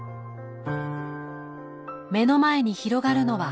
目の前に広がるのは未来。